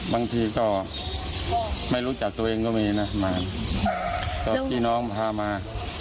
บางทีก็ไม่รู้จักตัวเองก็มีนะมาก็พี่น้องพามา